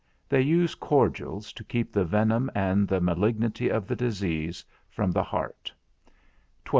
They use cordials, to keep the venom and the malignity of the disease from the heart 69 12.